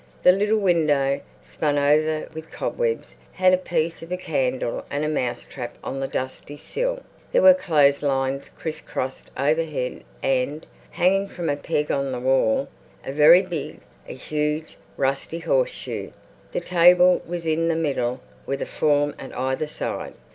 The little window, spun over with cobwebs, had a piece of candle and a mouse trap on the dusty sill. There were clotheslines criss crossed overhead and, hanging from a peg on the wall, a very big, a huge, rusty horseshoe. The table was in the middle with a form at either side.